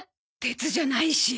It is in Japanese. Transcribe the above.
鉄じゃないし。